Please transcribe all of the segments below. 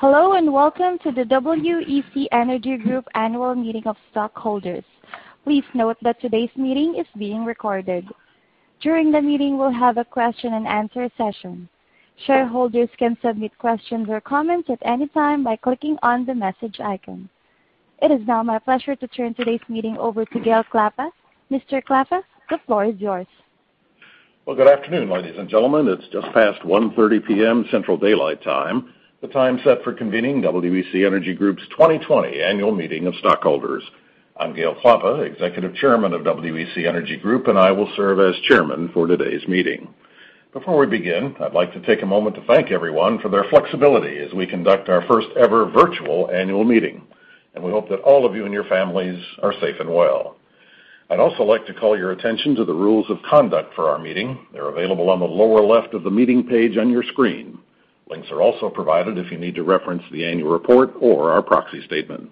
Hello, and welcome to the WEC Energy Group Annual Meeting of Stockholders. Please note that today's meeting is being recorded. During the meeting, we'll have a question and answer session. Shareholders can submit questions or comments at any time by clicking on the message icon. It is now my pleasure to turn today's meeting over to Gale Klappa. Mr. Klappa, the floor is yours. Well, good afternoon, ladies and gentlemen. It's just past 1:30 P.M. Central Daylight Time, the time set for convening WEC Energy Group's 2020 annual meeting of stockholders. I'm Gale Klappa, Executive Chairman of WEC Energy Group, I will serve as Chairman for today's meeting. Before we begin, I'd like to take a moment to thank everyone for their flexibility as we conduct our first ever virtual annual meeting, we hope that all of you and your families are safe and well. I'd also like to call your attention to the rules of conduct for our meeting. They're available on the lower left of the meeting page on your screen. Links are also provided if you need to reference the annual report or our proxy statement.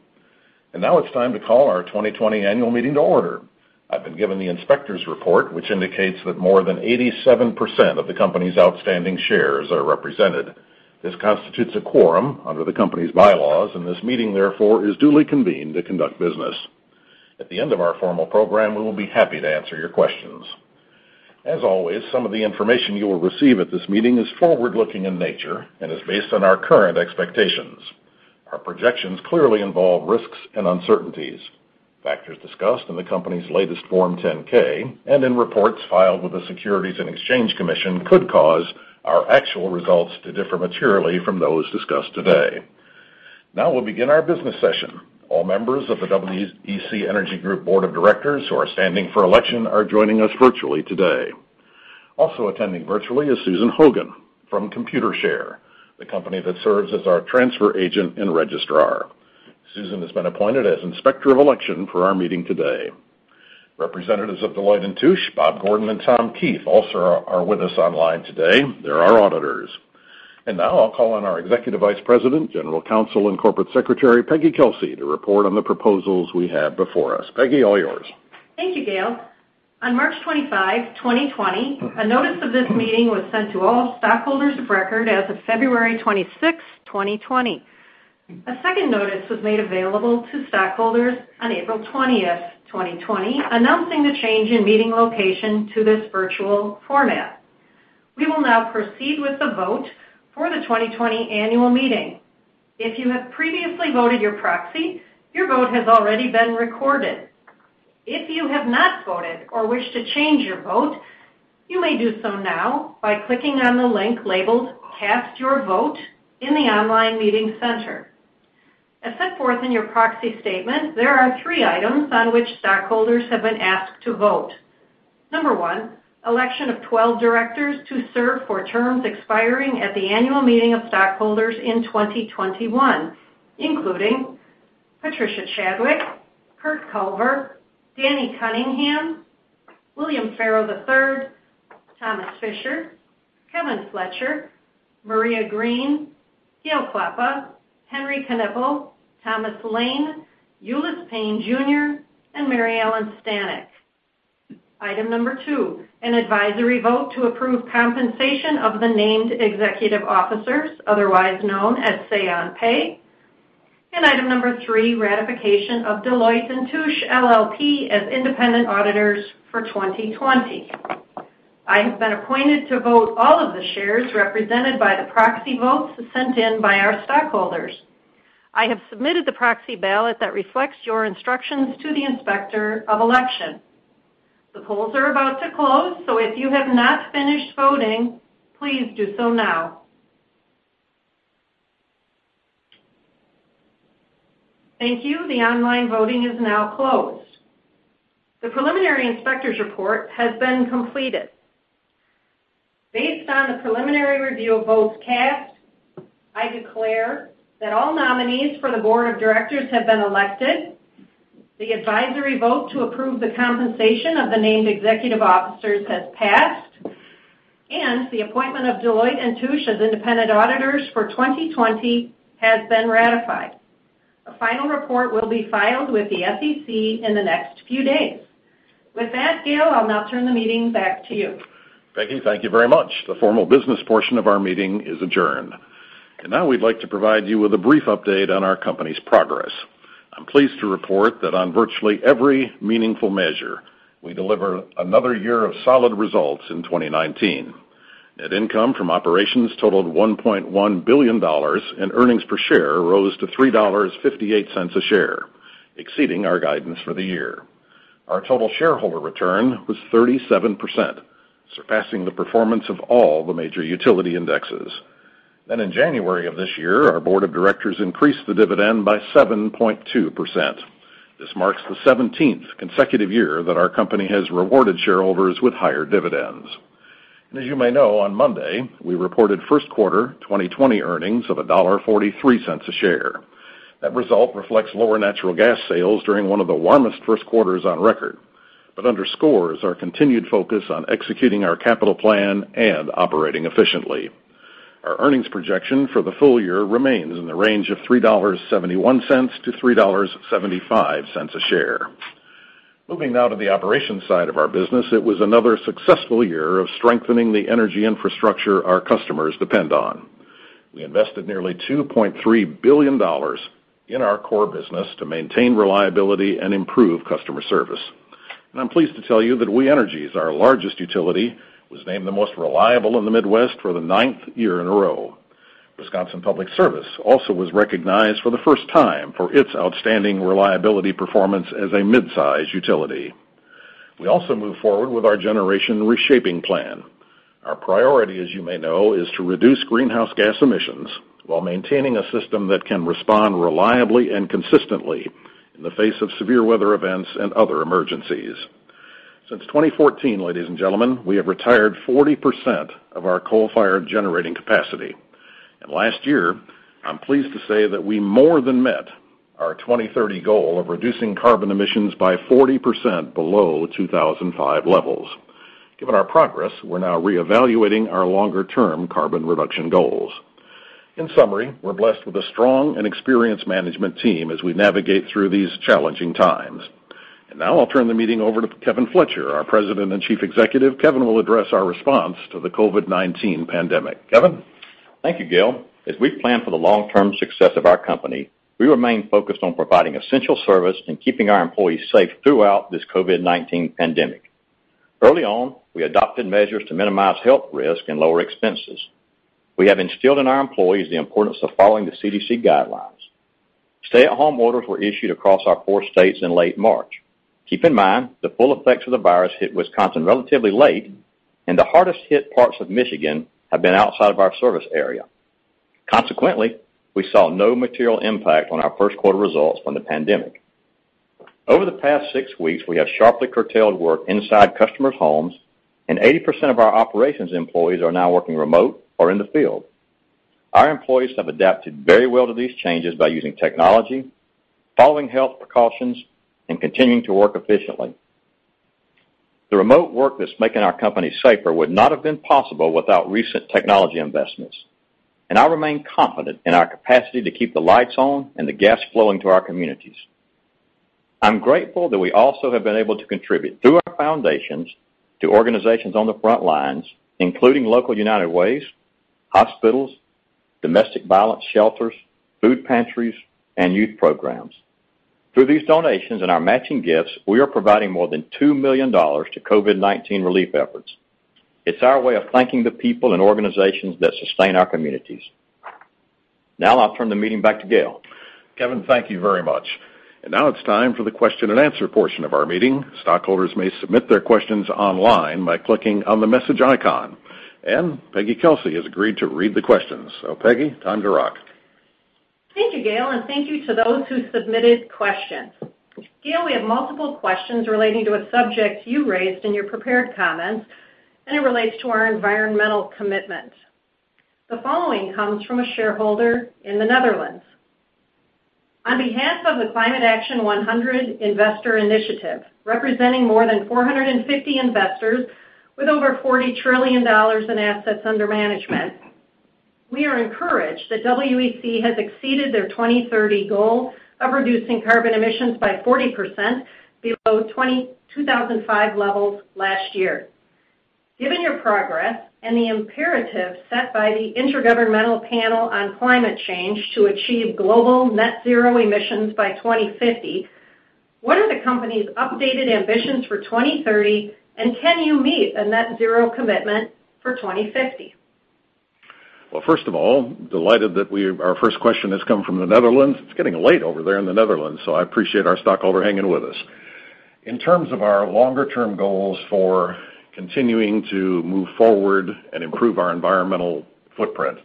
Now it's time to call our 2020 Annual Meeting to order. I've been given the inspector's report, which indicates that more than 87% of the company's outstanding shares are represented. This constitutes a quorum under the company's bylaws, and this meeting, therefore, is duly convened to conduct business. At the end of our formal program, we will be happy to answer your questions. As always, some of the information you will receive at this meeting is forward-looking in nature and is based on our current expectations. Our projections clearly involve risks and uncertainties. Factors discussed in the company's latest Form 10-K and in reports filed with the Securities and Exchange Commission could cause our actual results to differ materially from those discussed today. We'll begin our business session. All members of the WEC Energy Group board of directors who are standing for election are joining us virtually today. Also attending virtually is Susan Hogan from Computershare, the company that serves as our transfer agent and registrar. Susan has been appointed as Inspector of Election for our meeting today. Representatives of Deloitte & Touche, Bob Gordon and Tom Keith, also are with us online today. They're our auditors. Now I'll call on our Executive Vice President, General Counsel, and Corporate Secretary, Peggy Kelsey, to report on the proposals we have before us. Peggy, all yours. Thank you, Gale. On March 25, 2020, a notice of this meeting was sent to all stockholders of record as of February 26, 2020. A second notice was made available to stockholders on April 20, 2020, announcing the change in meeting location to this virtual format. We will now proceed with the vote for the 2020 annual meeting. If you have previously voted your proxy, your vote has already been recorded. If you have not voted or wish to change your vote, you may do so now by clicking on the link labeled Cast Your Vote in the online meeting center. As set forth in your proxy statement, there are three items on which stockholders have been asked to vote. Number one, election of 12 directors to serve for terms expiring at the annual meeting of stockholders in 2021, including Patricia Chadwick, Curt Culver, Danny Cunningham, William Farrow III, Thomas Fischer, Kevin Fletcher, Maria Green, Gale Klappa, Henry Knueppel, Thomas Lane, Ulice Payne Jr., and Mary Ellen Stanek. Item number two, an advisory vote to approve compensation of the named executive officers, otherwise known as say on pay. Item number three, ratification of Deloitte & Touche LLP as independent auditors for 2020. I have been appointed to vote all of the shares represented by the proxy votes sent in by our stockholders. I have submitted the proxy ballot that reflects your instructions to the Inspector of Election. The polls are about to close, so if you have not finished voting, please do so now. Thank you. The online voting is now closed. The preliminary inspector's report has been completed. Based on the preliminary review of votes cast, I declare that all nominees for the board of directors have been elected, the advisory vote to approve the compensation of the named executive officers has passed, and the appointment of Deloitte & Touche as independent auditors for 2020 has been ratified. A final report will be filed with the SEC in the next few days. With that, Gale, I'll now turn the meeting back to you. Peggy, thank you very much. The formal business portion of our meeting is adjourned. Now we'd like to provide you with a brief update on our company's progress. I'm pleased to report that on virtually every meaningful measure, we delivered another year of solid results in 2019. Net income from operations totaled $1.1 billion, and earnings per share rose to $3.58 a share, exceeding our guidance for the year. Our total shareholder return was 37%, surpassing the performance of all the major utility indexes. In January of this year, our board of directors increased the dividend by 7.2%. This marks the 17th consecutive year that our company has rewarded shareholders with higher dividends. As you may know, on Monday, we reported first quarter 2020 earnings of $1.43 a share. That result reflects lower natural gas sales during one of the warmest first quarters on record, but underscores our continued focus on executing our capital plan and operating efficiently. Our earnings projection for the full year remains in the range of $3.71-$3.75 a share. Moving now to the operations side of our business, it was another successful year of strengthening the energy infrastructure our customers depend on. We invested nearly $2.3 billion in our core business to maintain reliability and improve customer service. I'm pleased to tell you that We Energies, our largest utility, was named the most reliable in the Midwest for the ninth year in a row. Wisconsin Public Service also was recognized for the first time for its outstanding reliability performance as a mid-size utility. We also moved forward with our generation reshaping plan. Our priority, as you may know, is to reduce greenhouse gas emissions while maintaining a system that can respond reliably and consistently in the face of severe weather events and other emergencies. Since 2014, ladies and gentlemen, we have retired 40% of our coal-fired generating capacity. Last year, I'm pleased to say that we more than met our 2030 goal of reducing carbon emissions by 40% below 2005 levels. Given our progress, we're now reevaluating our longer-term carbon reduction goals. In summary, we're blessed with a strong and experienced management team as we navigate through these challenging times. Now I'll turn the meeting over to Kevin Fletcher, our President and Chief Executive. Kevin will address our response to the COVID-19 pandemic. Kevin? Thank you, Gale. As we plan for the long-term success of our company, we remain focused on providing essential service and keeping our employees safe throughout this COVID-19 pandemic. Early on, we adopted measures to minimize health risk and lower expenses. We have instilled in our employees the importance of following the CDC guidelines. Stay-at-home orders were issued across our four states in late March. Keep in mind the full effects of the virus hit Wisconsin relatively late, and the hardest-hit parts of Michigan have been outside of our service area. Consequently, we saw no material impact on our first quarter results from the pandemic. Over the past six weeks, we have sharply curtailed work inside customers' homes, and 80% of our operations employees are now working remote or in the field. Our employees have adapted very well to these changes by using technology, following health precautions, and continuing to work efficiently. The remote work that's making our company safer would not have been possible without recent technology investments, and I remain confident in our capacity to keep the lights on and the gas flowing to our communities. I'm grateful that we also have been able to contribute through our foundations to organizations on the front lines, including local United Ways, hospitals, domestic violence shelters, food pantries, and youth programs. Through these donations and our matching gifts, we are providing more than $2 million to COVID-19 relief efforts. It's our way of thanking the people and organizations that sustain our communities. Now I'll turn the meeting back to Gale. Kevin, thank you very much. Now it's time for the question and answer portion of our meeting. Stockholders may submit their questions online by clicking on the message icon. Peggy Kelsey has agreed to read the questions. Peggy, time to rock. Thank you, Gale, and thank you to those who submitted questions. Gale, we have multiple questions relating to a subject you raised in your prepared comments, and it relates to our environmental commitment. The following comes from a shareholder in the Netherlands. On behalf of the Climate Action 100+ Investor Initiative, representing more than 450 investors with over $40 trillion in assets under management, we are encouraged that WEC has exceeded their 2030 goal of reducing carbon emissions by 40% below 2005 levels last year. Given your progress and the imperative set by the Intergovernmental Panel on Climate Change to achieve global net zero emissions by 2050, what are the company's updated ambitions for 2030, and can you meet a net zero commitment for 2050? Well, first of all, delighted that our first question has come from the Netherlands. It's getting late over there in the Netherlands, so I appreciate our stockholder hanging with us. In terms of our longer-term goals for continuing to move forward and improve our environmental footprint,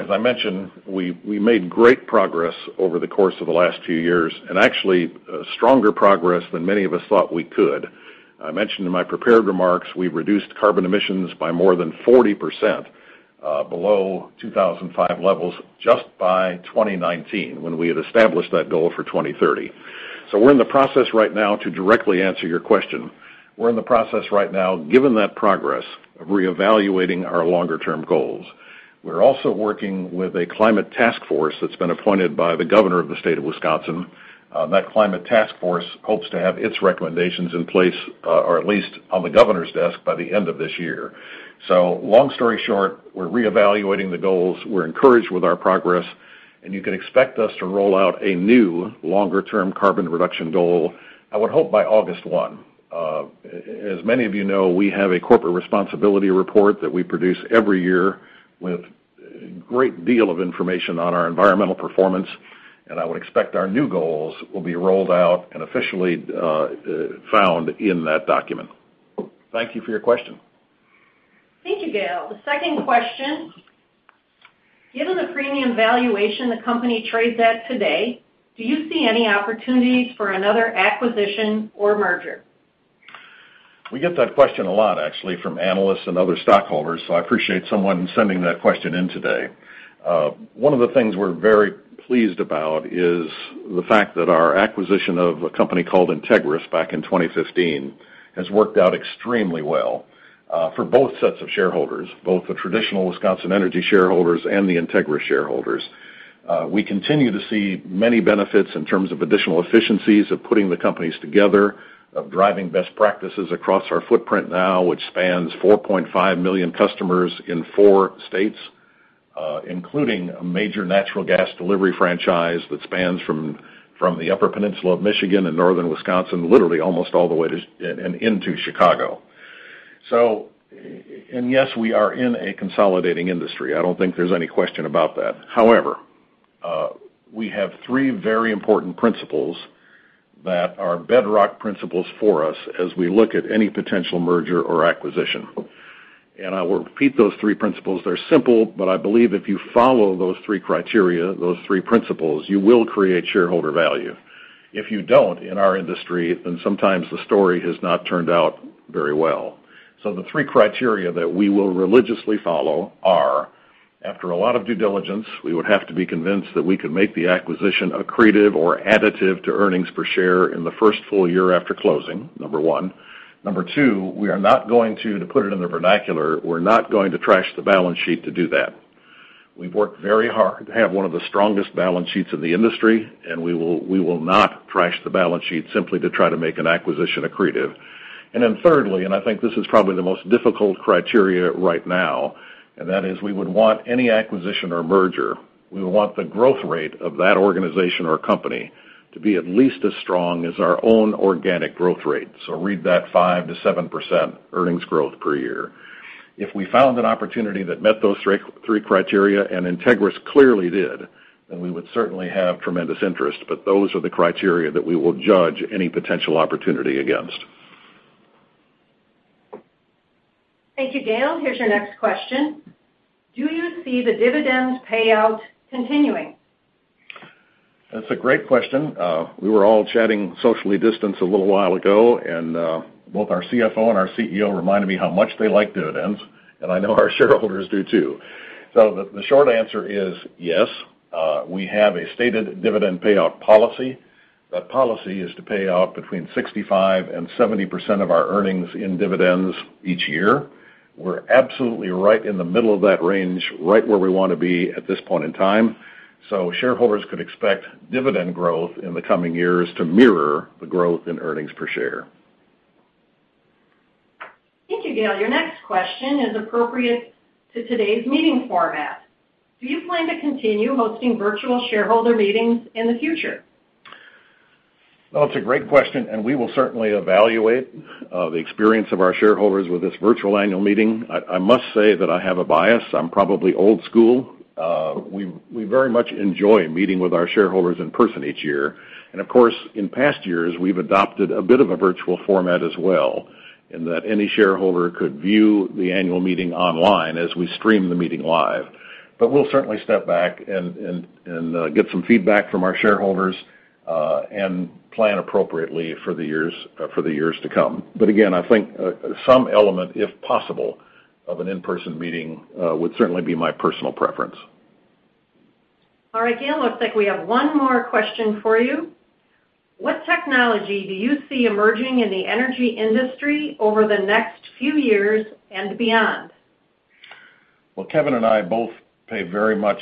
as I mentioned, we made great progress over the course of the last few years and actually stronger progress than many of us thought we could. I mentioned in my prepared remarks, we've reduced carbon emissions by more than 40% below 2005 levels just by 2019 when we had established that goal for 2030. We're in the process right now to directly answer your question. We're in the process right now, given that progress, of reevaluating our longer-term goals. We're also working with a climate task force that's been appointed by the governor of the state of Wisconsin. That climate task force hopes to have its recommendations in place or at least on the governor's desk by the end of this year. Long story short, we're reevaluating the goals. We're encouraged with our progress, and you can expect us to roll out a new longer-term carbon reduction goal, I would hope by August 1. As many of you know, we have a corporate responsibility report that we produce every year with a great deal of information on our environmental performance, and I would expect our new goals will be rolled out and officially found in that document. Thank you for your question. Thank you, Gale. The second question. Given the premium valuation the company trades at today, do you see any opportunities for another acquisition or merger? We get that question a lot, actually, from analysts and other stockholders. I appreciate someone sending that question in today. One of the things we're very pleased about is the fact that our acquisition of a company called Integrys back in 2015 has worked out extremely well for both sets of shareholders, both the traditional Wisconsin Energy shareholders and the Integrys shareholders. We continue to see many benefits in terms of additional efficiencies of putting the companies together, of driving best practices across our footprint now, which spans 4.5 million customers in four states, including a major natural gas delivery franchise that spans from the Upper Peninsula of Michigan and Northern Wisconsin, literally almost all the way into Chicago. Yes, we are in a consolidating industry. I don't think there's any question about that. We have three very important principles that are bedrock principles for us as we look at any potential merger or acquisition. I will repeat those three principles. They're simple, but I believe if you follow those three criteria, those three principles, you will create shareholder value. If you don't, in our industry, sometimes the story has not turned out very well. The three criteria that we will religiously follow are, after a lot of due diligence, we would have to be convinced that we could make the acquisition accretive or additive to earnings per share in the first full year after closing, number one. Number two, we are not going to put it in the vernacular, we're not going to trash the balance sheet to do that. We've worked very hard to have one of the strongest balance sheets in the industry, and we will not trash the balance sheet simply to try to make an acquisition accretive. Thirdly, I think this is probably the most difficult criteria right now, that is we would want any acquisition or merger, we would want the growth rate of that organization or company to be at least as strong as our own organic growth rate. Read that 5%-7% earnings growth per year. If we found an opportunity that met those three criteria, and Integrys clearly did, then we would certainly have tremendous interest. Those are the criteria that we will judge any potential opportunity against. Thank you, Gale. Here's your next question. Do you see the dividend payout continuing? That's a great question. We were all chatting socially distance a little while ago, and both our CFO and our CEO reminded me how much they like dividends, and I know our shareholders do too. The short answer is yes. We have a stated dividend payout policy. That policy is to pay out between 65% and 70% of our earnings in dividends each year. We're absolutely right in the middle of that range, right where we want to be at this point in time. Shareholders could expect dividend growth in the coming years to mirror the growth in earnings per share. Thank you, Gale. Your next question is appropriate to today's meeting format. Do you plan to continue hosting virtual shareholder meetings in the future? It's a great question, and we will certainly evaluate the experience of our shareholders with this virtual annual meeting. I must say that I have a bias. I'm probably old school. We very much enjoy meeting with our shareholders in person each year. Of course, in past years, we've adopted a bit of a virtual format as well, in that any shareholder could view the annual meeting online as we stream the meeting live. We'll certainly step back and get some feedback from our shareholders, and plan appropriately for the years to come. Again, I think some element, if possible, of an in-person meeting would certainly be my personal preference. All right, Gale, looks like we have one more question for you. What technology do you see emerging in the energy industry over the next few years and beyond? Well, Kevin and I both pay very much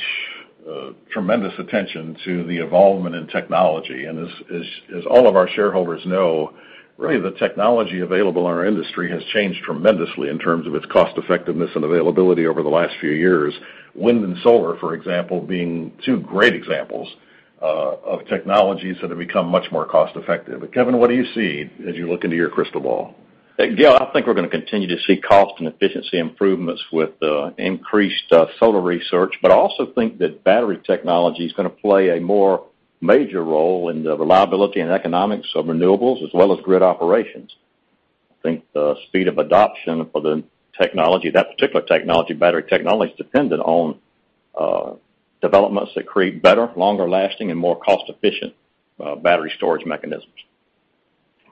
tremendous attention to the evolvement in technology. As all of our shareholders know, really the technology available in our industry has changed tremendously in terms of its cost-effectiveness and availability over the last few years. Wind and solar, for example, being two great examples of technologies that have become much more cost-effective. Kevin, what do you see as you look into your crystal ball? Gale, I think we're going to continue to see cost and efficiency improvements with increased solar research, but I also think that battery technology is going to play a more major role in the reliability and economics of renewables, as well as grid operations. I think the speed of adoption for the technology, that particular technology, battery technology, is dependent on developments that create better, longer-lasting, and more cost-efficient battery storage mechanisms.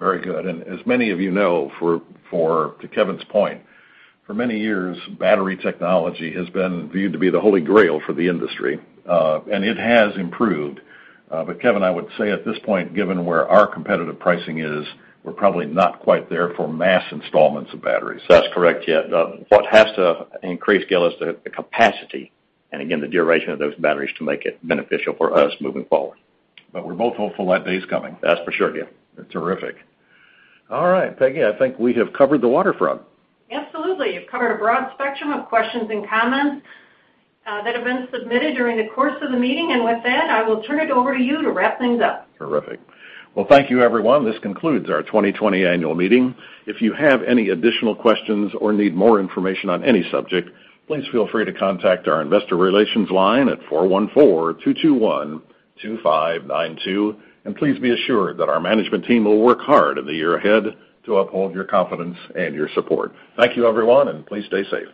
Very good. As many of you know, to Kevin's point, for many years, battery technology has been viewed to be the Holy Grail for the industry, and it has improved. Kevin, I would say at this point, given where our competitive pricing is, we're probably not quite there for mass installments of batteries. That's correct, yeah. What has to increase, Gale, is the capacity, and again, the duration of those batteries to make it beneficial for us moving forward. We're both hopeful that day's coming. That's for sure, Gale. Terrific. All right, Peggy, I think we have covered the waterfront. Absolutely. You've covered a broad spectrum of questions and comments that have been submitted during the course of the meeting. With that, I will turn it over to you to wrap things up. Terrific. Well, thank you everyone. This concludes our 2020 annual meeting. If you have any additional questions or need more information on any subject, please feel free to contact our investor relations line at 414-221-2592. Please be assured that our management team will work hard in the year ahead to uphold your confidence and your support. Thank you, everyone, and please stay safe.